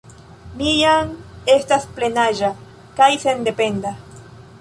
Mi jam estas plenaĝa kaj sendependa.